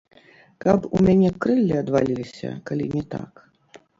Каб у мяне крыллі адваліліся, калі не так!